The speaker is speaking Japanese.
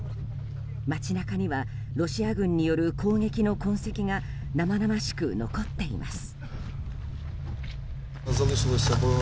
街中にはロシア軍による攻撃の痕跡が生々しく残っています。